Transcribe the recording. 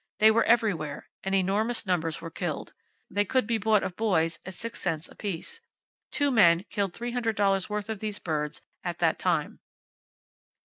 They were everywhere; and enormous numbers were killed. They could be bought of boys at six cents apiece. Two men killed $300 worth of these birds at that time."